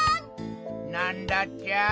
なんだっちゃ？